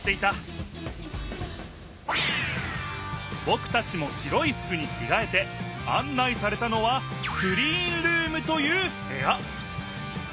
ぼくたちも白いふくにきがえてあん内されたのはクリーンルームというへや。